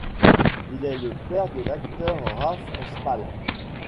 Il est le père de l'acteur Rafe Spall.